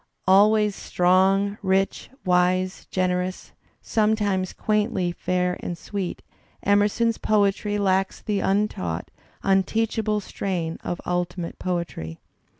Always strong, rich, wise, generous, sometimes quaintly fair and sweet, Emerson's poetry lacks the untaught, un teachable strain of ultimate poetry.